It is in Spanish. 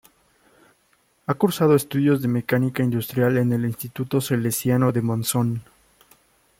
Ha cursado estudios de Mecánica Industrial en el instituto Salesiano de Monzón.